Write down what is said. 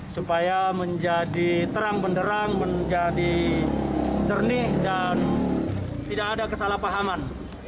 supaya menjadi terang benderang menjadi jernih dan tidak ada kesalahpahaman